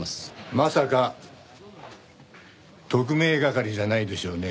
まさか特命係じゃないでしょうね？